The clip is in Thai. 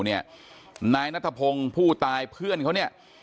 นายนัทพงศ์ผู้ตายเพื่อนเขาเนี่ย